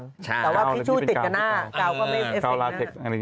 แต่ว่าทิชชู่ติดกับหน้ากาวก็ไม่เอฟซาลาเทค